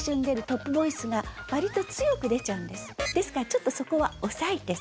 ですからちょっとそこは抑えてする。